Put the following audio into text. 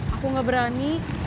aku gak berani